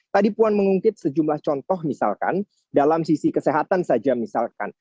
tadi puan mengungkit sejumlah contoh misalkan dalam sisi kesehatan saja misalkan